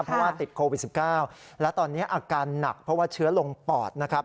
เพราะว่าติดโควิด๑๙และตอนนี้อาการหนักเพราะว่าเชื้อลงปอดนะครับ